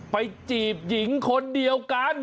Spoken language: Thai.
จีบหญิงคนเดียวกัน